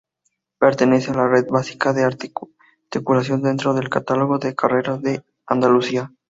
Pertenece a la Red Básica de Articulación dentro del Catálogo de Carreteras de Andalucía.